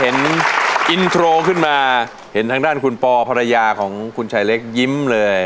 เห็นอินโทรขึ้นมาเห็นทางด้านคุณปอภรรยาของคุณชายเล็กยิ้มเลย